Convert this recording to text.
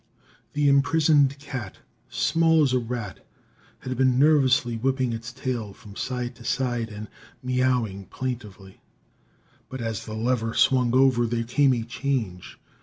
The imprisoned cat, small as a rat, had been nervously whipping its tail from side to side and meowing plaintively; but, as the lever swung over, there came a change.